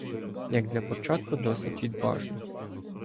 Як для початку досить відважно.